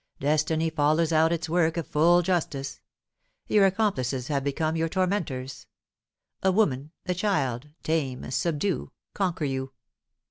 Destiny follows out its work of full justice. Your accomplices have become your tormentors. A woman, a child, tame, subdue, conquer you.